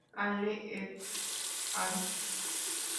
Hale "et al.